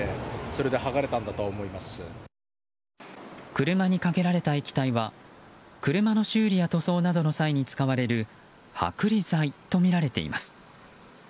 車にかけられた液体は車の修理や塗装などの際に使われる剥離剤とみられています。